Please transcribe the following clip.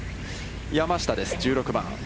山下です、１６番。